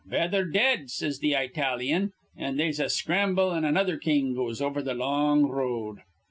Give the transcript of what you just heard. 'Betther dead,' says th' Eyetalyan; an' they'se a scramble, an' another king goes over th' long r road.